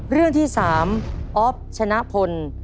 เรื่องที่๓ออฟชนะพล